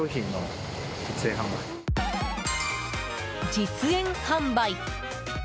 実演販売。